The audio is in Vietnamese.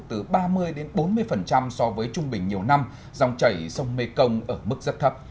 từ ba mươi bốn mươi so với trung bình nhiều năm dòng chảy sông mê công ở mức rất thấp